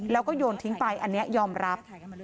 แล้วก็โยนทิ้งไปอันนี้ยอมรับ